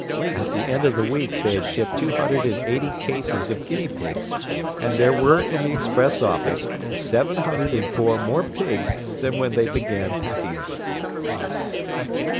At the end of the week they had shipped two hundred and eighty cases of guinea pigs, and there were in the express office seven hundred and four more pigs than when they began packing them.